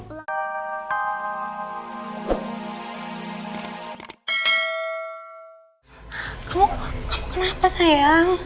kamu kenapa sayang